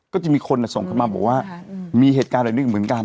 ก็จะมีคนน่ะส่งมาว่ามีเหตุการณ์แบบนี้เหมือนกัน